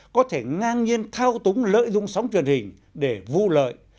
có thể ngang nhiên thao túng lợi dụng sóng truyền hình để vụ lợi